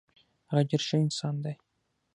هغه ډیر ښه انسان دی.